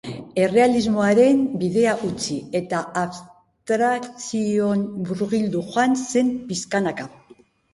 Errealismoaren bidea utzi, eta abstrakzioan murgilduz joan zen pixkanaka.